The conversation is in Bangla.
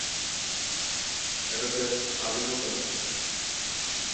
এটাতে আদিমতা আছে।